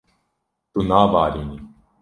Tu nabarînî.